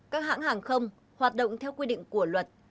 các hãng hàng không hoạt động theo quy định của luật